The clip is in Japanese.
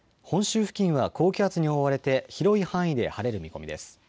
本州付近は高気圧に覆われて広い範囲で晴れる見込みです。